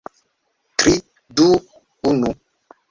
Tri... du... unu...